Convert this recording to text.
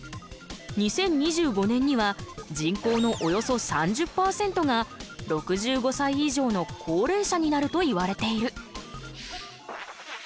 ２０２５年には人口のおよそ３０％が６５さい以上の高齢者になるといわれている。